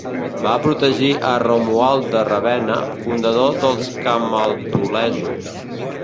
Va protegir a Romuald de Ravenna, fundador dels camaldulesos.